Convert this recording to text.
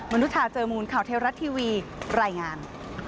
นุชาเจอมูลข่าวเทวรัฐทีวีรายงาน